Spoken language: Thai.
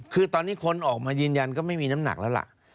คือตอนนี้คนออกมายืนยันก็ไม่มีน้ำหนักแล้วล่ะ